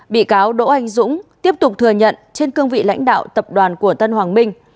bị cáo đỗ anh dũng tiếp tục thừa nhận trên cương vị lãnh đạo tập đoàn của tân hoàng minh